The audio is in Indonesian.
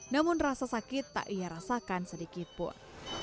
namun rasa sakit tak ia rasakan sedikitpun